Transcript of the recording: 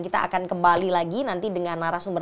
kita akan kembali lagi nanti dengan narasumber